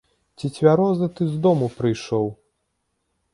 Ці цвярозы ты з дому прыйшоў?